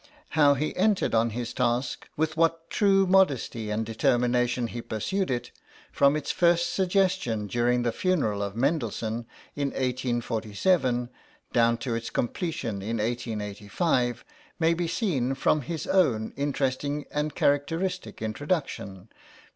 How he entered on his task, with what true modesty and determination he pursued it, from its first suggestion, during the funeral of Mendelssohn in 1847, down to its completion in 1855,* may be seen from his own interesting and characteristic introduction (pp.